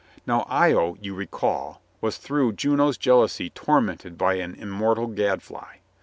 Now, lo, you recall, was through Juno's jealousy tormented by an immortal gadfly.